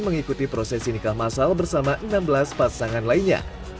mengikuti prosesi nikah masal bersama enam belas pasangan lainnya